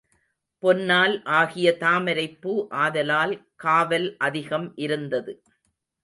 பொன்னால் ஆகிய தாமரைப்பூ ஆதலால் காவல் அதிகம் இருத்தது.